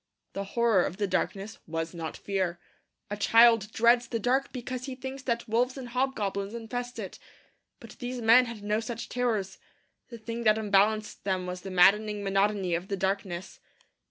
The horror of the darkness was not fear. A child dreads the dark because he thinks that wolves and hobgoblins infest it. But these men had no such terrors. The thing that unbalanced them was the maddening monotony of the darkness.